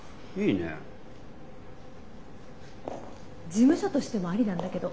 事務所としてもありなんだけど。